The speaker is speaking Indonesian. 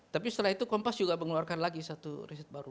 tapi setelah itu kompas juga mengeluarkan lagi satu riset baru